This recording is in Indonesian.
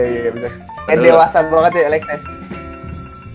ya dewasa banget ya alexis